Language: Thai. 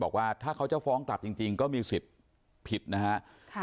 บอกว่าถ้าเขาจะฟ้องกลับจริงก็มีสิทธิ์ผิดนะฮะ